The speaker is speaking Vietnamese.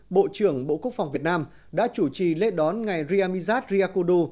bộ trưởng bộ quốc phòng việt nam đã chủ trì lễ đón ngày riyamizat riyakudu